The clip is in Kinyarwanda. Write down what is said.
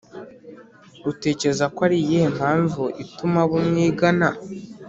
Utekereza ko ari iyihe mpamvu ituma abo mwigana